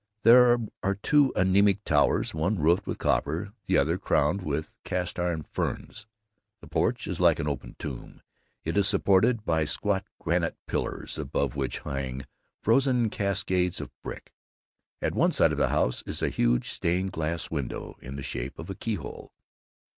There are two anemic towers, one roofed with copper, the other crowned with castiron ferns. The porch is like an open tomb; it is supported by squat granite pillars above which hang frozen cascades of brick. At one side of the house is a huge stained glass window in the shape of a keyhole.